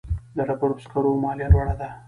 د ډبرو سکرو مالیه لوړه ده